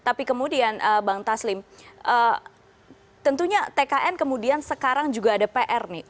tapi kemudian bang taslim tentunya tkn kemudian sekarang juga ada pr nih